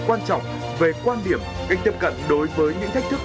quan trọng về quan điểm cách tiếp cận đối với những thách thức